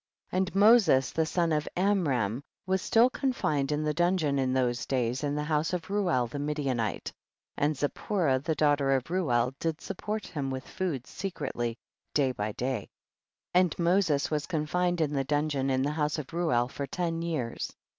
26. And Moses the son of Am ram was still confined in the dungeon in those days, in the house of Reuel the Midianite, and Zipporah the daughter of Reuel did support him with food secretly day by day. 27. And Moses was confined in the dungeon in the house of Reuel for ten years.